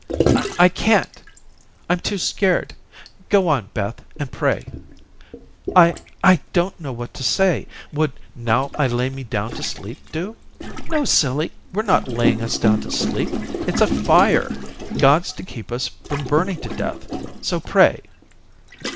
"I can't. I'm too scared. Go on, Beth, and pray." "I I don't know what to say. Would 'Now I lay me down to sleep,' do?" "No, silly. We're not laying us down to sleep. It's a fire. God's to keep us from burning to death. So pray."